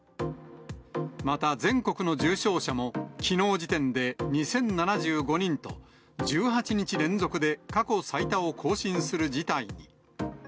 また全国の重症者も、きのう時点で２０７５人と、１８日連続で過去最多を更新する事態に。